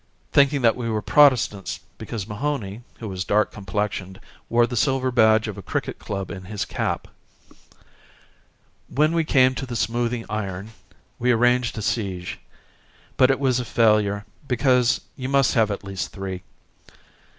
_ thinking that we were Protestants because Mahony, who was dark complexioned, wore the silver badge of a cricket club in his cap. When we came to the Smoothing Iron we arranged a siege; but it was a failure because you must have at least three.